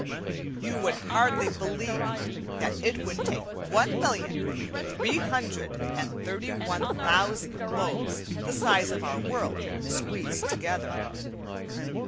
You would hardly believe that it would take one million, three hundred and thirty one thousand globes the size of our world squeezed together.